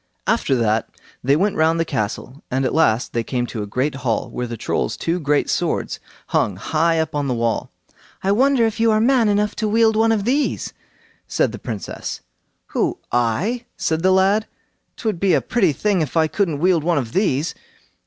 After that they went round the castle, and at last they came to a great hall, where the Trolls' two great swords hung high up on the wall. "I wonder if you are man enough to wield one of these," said the Princess. "Who?—I?" said the lad. "'Twould be a pretty thing if I couldn't wield one of these."